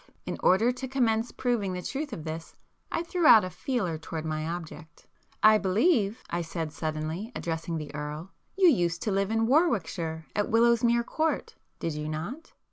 In order to commence proving the truth of this, I threw out a 'feeler' towards my object. "I believe," I said suddenly, addressing the Earl—"you used to live in Warwickshire at Willowsmere Court did you not?"